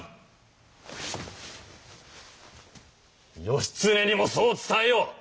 義経にもそう伝えよ！